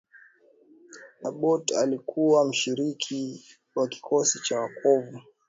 abbott alikuwa mshiriki wa kikosi cha wokovu